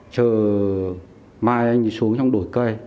chờ mai anh xuống trong đổi cây